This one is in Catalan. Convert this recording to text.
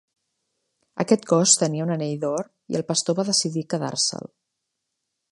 Aquest cos tenia un anell d'or i el pastor va decidir quedar-se'l.